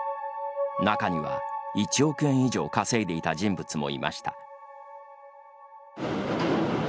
中には１億円以上稼いでいた人物もいました。